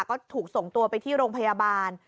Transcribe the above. ก็ถูกส่งตัวไปที่โรงพยาบาล